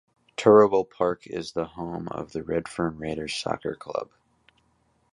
Turruwul park is the home of the Redfern Raiders Soccer Club.